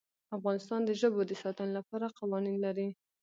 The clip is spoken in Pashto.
افغانستان د ژبو د ساتنې لپاره قوانین لري.